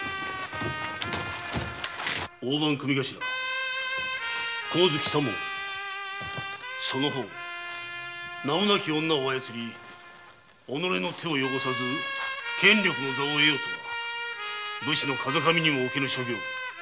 大番組頭・香月左門その方名もなき女を操り己の手を汚さず権力の座を得ようとは武士の風上にもおけぬ所業。